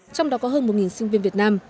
trong đó có hơn một sinh viên việt nam